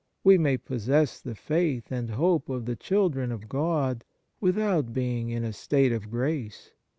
We may possess the faith and hope of the children of God, without being in a state of grace.